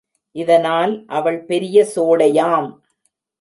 இதனால் அவள் பெரிய சோடை யாம்.